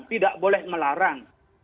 tidak boleh melarang